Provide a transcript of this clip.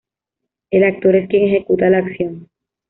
El actor es quien ejecuta la acción.